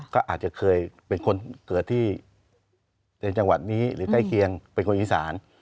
ก็อาจจะเคยเป็นคนเกิดที่ในจังหวัดนี้หรือใกล้เคียงเป็นคนอีสาน